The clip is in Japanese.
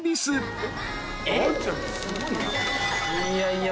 いやいや。